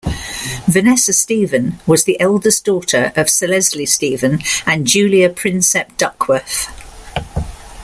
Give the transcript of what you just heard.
Vanessa Stephen was the eldest daughter of Sir Leslie Stephen and Julia Prinsep Duckworth.